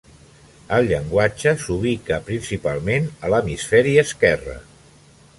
El llenguatge s'ubica principalment a l'hemisferi esquerre.